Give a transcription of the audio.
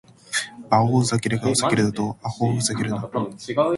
バオウ・ザケルガを避けるだと！アホウ・フザケルナ！